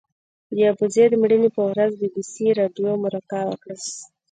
د ابوزید د مړینې پر ورځ بي بي سي راډیو مرکه وکړه.